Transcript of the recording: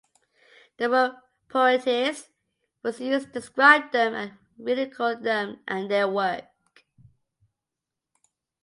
The word "poetess" was used to describe them and ridicule them and their work.